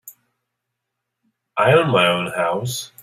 I own my own house.